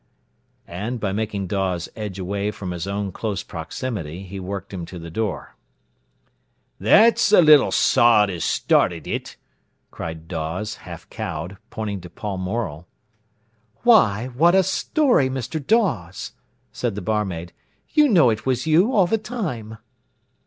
And, by making Dawes edge away from his own close proximity, he worked him to the door. "That's the little sod as started it!" cried Dawes, half cowed, pointing to Paul Morel. "Why, what a story, Mr. Dawes!" said the barmaid. "You know it was you all the time."